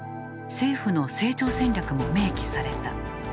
政府の成長戦略も明記された。